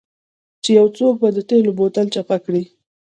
چې یو څوک به د تیلو بوتل چپه کړي